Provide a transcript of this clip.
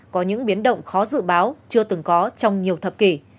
có những biến động khó dự báo chưa từng có trong nhiều thập kỷ